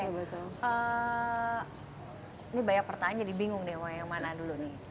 ini banyak pertanyaan jadi bingung nih yang mana dulu nih